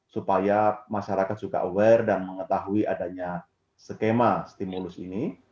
supaya masyarakat juga aware dan mengetahui adanya skema stimulus ini